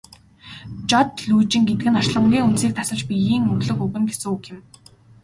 Жод лүйжин гэдэг нь орчлонгийн үндсийг тасалж биеийн өглөг өгнө гэсэн үг юм.